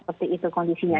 seperti itu kondisinya